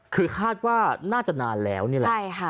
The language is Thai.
คือคาดว่าน่าจะนานแล้วนี่แหละ